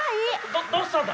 どどうしたんだ？